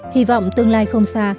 hy vọng tương lai không xa